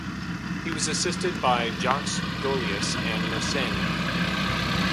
He was assisted by Jacques Golius and Mersenne.